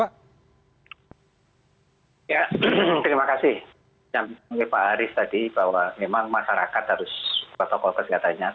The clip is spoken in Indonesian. yang termikir pak arief tadi bahwa memang masyarakat harus protokol kesehatannya